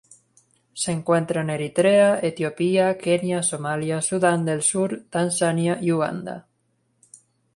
Se encuentra en Eritrea, Etiopía, Kenia, Somalia, Sudán del Sur, Tanzania y Uganda.